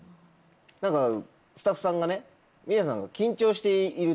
何かスタッフさんがねミリヤさんが緊張していると。